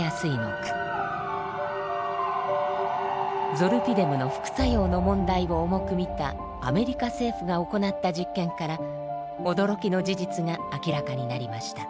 ゾルピデムの副作用の問題を重く見たアメリカ政府が行った実験から驚きの事実が明らかになりました。